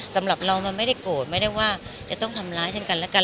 สำหรับเรามันไม่ได้โกรธไม่ได้ว่าจะต้องทำร้ายเช่นกันแล้วกัน